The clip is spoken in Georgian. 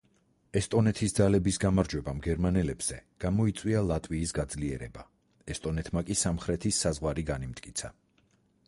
ესტონეთის ძალების გამარჯვებამ გერმანელებზე, გამოიწვია ლატვიის გაძლიერება, ესტონეთმა კი სამხრეთის საზღვარი განიმტკიცა.